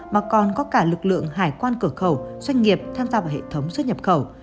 mà còn có cả lực lượng hải quan cửa khẩu doanh nghiệp tham gia vào hệ thống xuất nhập khẩu